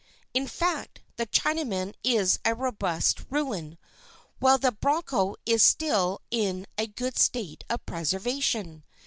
In fact, the Chinaman is a robust ruin, while the broncho is still in a good state of preservation.